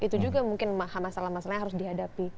itu juga mungkin masalah masalah yang harus dihadapi